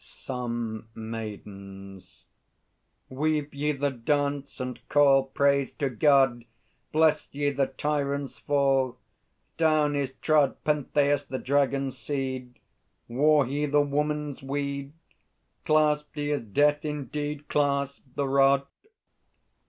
Some Maidens. Weave ye the dance, and call Praise to God! Bless ye the Tyrant's fall! Down is trod Pentheus, the Dragon's Seed! Wore he the woman's weed? Clasped he his death indeed, Clasped the rod?